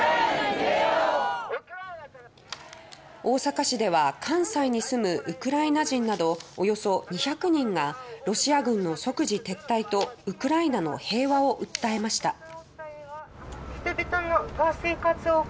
大阪市では関西に住むウクライナ人などおよそ２００人がロシア軍の即時撤退とウクライナの平和を訴えました。